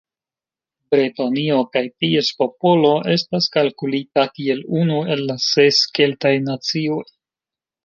Bretonio kaj ties popolo estas kalkulita kiel unu el la ses Keltaj nacioj.